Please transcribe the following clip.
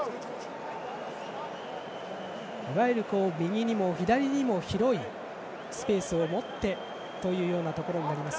いわゆる右にも左にも広いスペースを持ってというところになります。